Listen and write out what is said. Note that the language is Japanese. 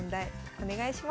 お願いします。